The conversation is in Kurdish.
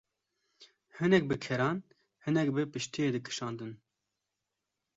hinek bi keran, hinek bi piştiyê dikşandin.